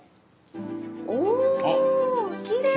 おきれい！